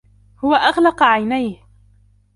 هو أغلق عينيه.